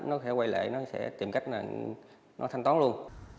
nó sẽ quay lại nó sẽ tìm cách là nó thanh toán luôn